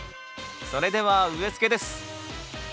それでは植え付けです